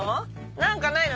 何かないの？